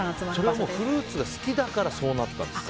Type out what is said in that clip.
それはフルーツが好きだからそうなったんですか？